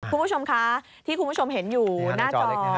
คุณผู้ชมคะที่คุณผู้ชมเห็นอยู่หน้าจอ